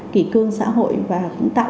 kỷ cương xã hội và cũng tạo